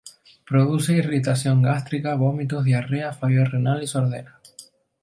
Produce irritación gástrica, vómitos, diarrea, fallo renal y sordera.